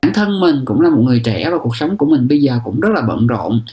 bản thân mình cũng là một người trẻ và cuộc sống của mình bây giờ cũng rất là bận rộn